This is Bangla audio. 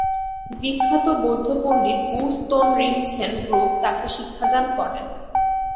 বিখ্যাত বৌদ্ধ পণ্ডিত বু-স্তোন-রিন-ছেন-গ্রুব তাকে শিক্ষাদান করেন।